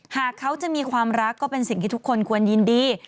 หากเขาจะมีความรักก็เป็นสิ่งที่ทุกคนควรยินดี